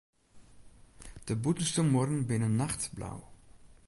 De bûtenste muorren binne nachtblau.